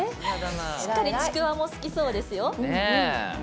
しっかりちくわも好きそうですよ。